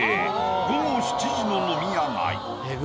午後７時の飲み屋街。